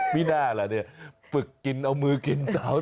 ไม่น่าล่ะเนี่ยฝึกกินเอามือกินเสา